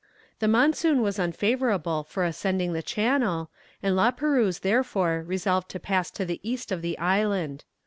The monsoon was unfavourable for ascending the channel, and La Perouse therefore resolved to pass to the east of the island.